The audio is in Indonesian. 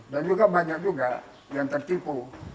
dan juga banyak juga yang tertipu